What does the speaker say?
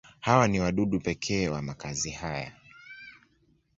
Hawa ni wadudu pekee wa makazi haya.